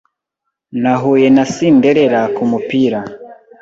Nahuye na Cinderella kumupira